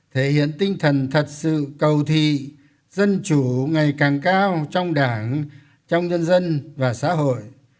thể hiện tinh thần thật sự cầu thị dân chủ ngày càng cao trong đảng trong nhân dân và xã hội